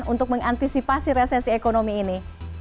untuk mengantisipasi resesi ekonomi ini